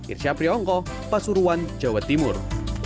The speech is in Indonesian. irsyapri ongko pasuruan jawa timur